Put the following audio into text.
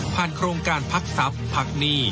โครงการพักทรัพย์พักหนี้